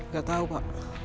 gak tahu pak